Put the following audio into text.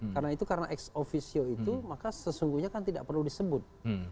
karena itu karena ex officio itu maka sesungguhnya kan tidak perlu disebut